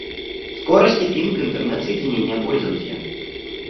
Скорость и пинг интернет-соединения пользователя